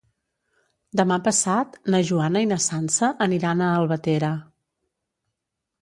Demà passat na Joana i na Sança aniran a Albatera.